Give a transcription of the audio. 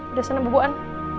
udah sana bubuan